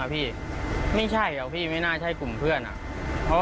ซาดีนก็จะเป็นที่ว่าทุกคนสงสารเป็นแน่นอน